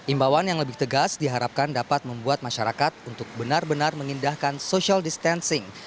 imbauan yang lebih tegas diharapkan dapat membuat masyarakat untuk benar benar mengindahkan social distancing